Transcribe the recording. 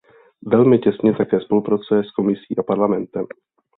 Velmi těsně také spolupracuje s Komisí a Parlamentem.